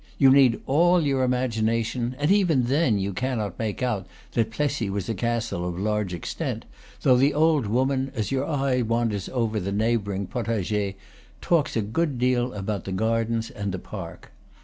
You need all your imagination, and even then you cannot make out that Plessis was a castle of large ex tent, though the old woman, as your eye wanders over the neighboring potagers, talks a good deal about the gardens and the park.